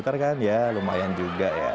jalan dua km kan ya lumayan juga ya